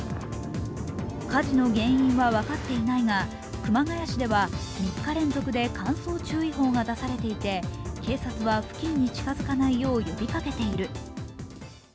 火事の原因は分かっていないが熊谷市では３日連続で乾燥注意報が出されていて警察は付近に近づかないよう呼びかけている。